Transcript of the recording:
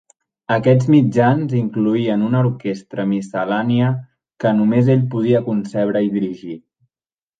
Aquests mitjans incloïen una orquestra miscel·lània que només ell podia concebre i dirigir.